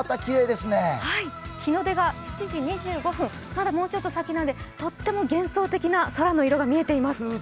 日の出が７時２５分、もうちょっと先なんでとっても幻想的な空の色が見えています。